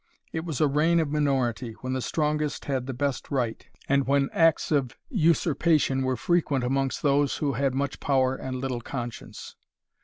It was a reign of minority, when the strongest had the best right, and when acts of usurpation were frequent amongst those who had much power and little conscience.